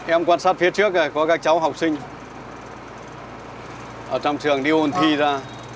em quan sát phía trước có các cháu học sinh ở trong trường đi ôn thi ra